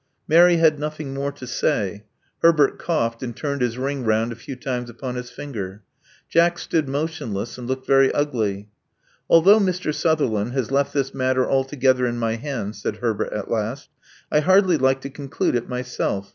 Mary had nothing more to say. Herbert coughed and turned his ring round a few times upon his finger. Jack stood motionless, and looked very ugly. "Although Mr. Sutherland has left this matter altogether in my hands," said Herbert at last, "I hardly like to conclude it myself.